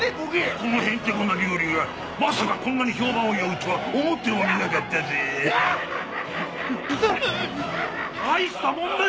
このヘンテコな料理がまさかこんなに評判を呼ぶとは思ってもみなかったぜ大したもんだよ